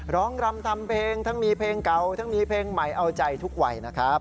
รำทำเพลงทั้งมีเพลงเก่าทั้งมีเพลงใหม่เอาใจทุกวัยนะครับ